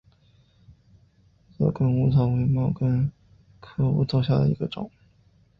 缩梗乌头为毛茛科乌头属下的一个种。